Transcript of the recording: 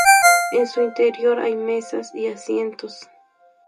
En su interior hay mesas y asientos.